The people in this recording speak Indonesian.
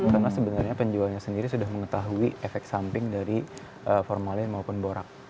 karena sebenarnya penjualnya sendiri sudah mengetahui efek samping dari formalin maupun borang